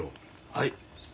はい。